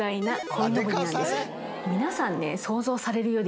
皆さんね。